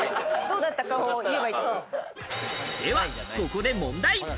では、ここで問題。